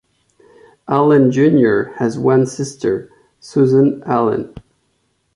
Allen Junior has one sister, Susan Allen.